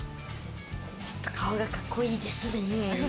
ちょっと顔がカッコいいですね。